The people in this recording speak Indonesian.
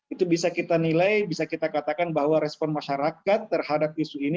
itu bisa kita nilai bisa kita katakan bahwa respon masyarakat terhadap isu ini